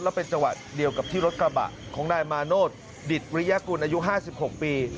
และเป็นจังหวะเดียวกับที่รถกระบะของนายมาโนธดิตวิริยกุลอายุ๕๖ปี